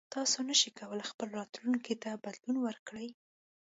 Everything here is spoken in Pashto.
تاسو نشئ کولی خپل راتلونکي ته بدلون ورکړئ.